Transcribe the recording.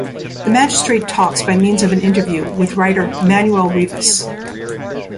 The magistrate talks by means of an interview with writer Manuel Rivas.